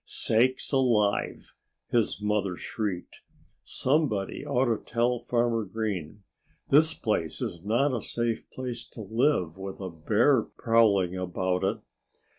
"Sakes alive!" his mother shrieked. "Somebody ought to tell Farmer Green! This farm is not a safe place to live, with a bear prowling about it."